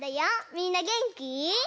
みんなげんき？